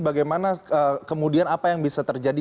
bagaimana kemudian apa yang bisa terjadi